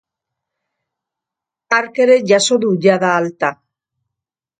Hark ere jaso du jada alta.